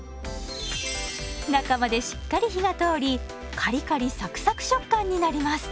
中までしっかり火が通りカリカリサクサク食感になります。